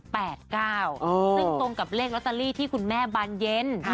ซึ่งตรงกับเลขลอตเตอรี่ที่คุณแม่บานเย็น